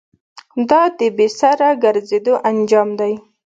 دا د بې سره گرځېدو انجام دی.